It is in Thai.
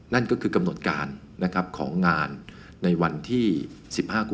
นั่นก็คือกำหนดการของงานในวันที่๑๕กุม